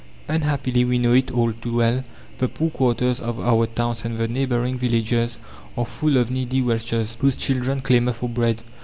Unhappily we know it all too well the poor quarters of our towns and the neighbouring villages are full of needy wretches, whose children clamour for bread.